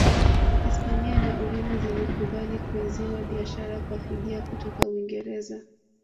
Hispania na Ureno zilikubali kuizima biashara kwa fidia kutoka Uingereza